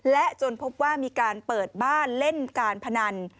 และจนพบว่ามีการเปิดบ้านเล่นการพนัน